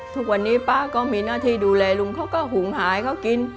ทุกวันนี้ป้าก็มีหน้าที่ดูแลลุงเขาก็หุงหายเขากิน